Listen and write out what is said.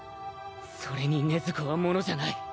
それに禰豆子は物じゃない。